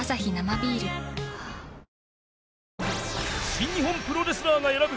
新日本プロレスラーが選ぶ